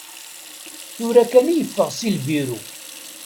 Tura kan i yeffeɣ si lbiru.